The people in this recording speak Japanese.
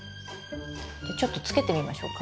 ちょっとつけてみましょうか。